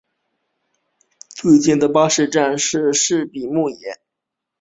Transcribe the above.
最近的巴士站是站前的土笔野站。